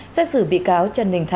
xét xử bị cáo trần đình thái